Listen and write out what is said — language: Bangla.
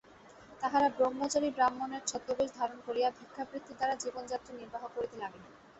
তাঁহারা ব্রহ্মচারী ব্রাহ্মণের ছদ্মবেশ ধারণ করিয়া ভিক্ষাবৃত্তি দ্বারা জীবনযাত্রা নির্বাহ করিতে লাগিলেন।